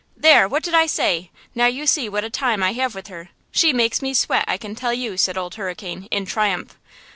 "There! what did I say? Now you see what a time I have with her; she makes me sweat, I can tell you," said Old Hurricane, in triumph.